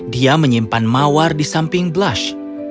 dia menyimpan mawar di samping blash